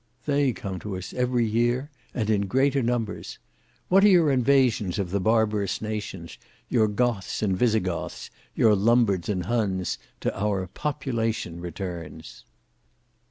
They come to us every year and in greater numbers. What are your invasions of the barbarous nations, your Goths and Visigoths, your Lombards and Huns, to our Population Returns!"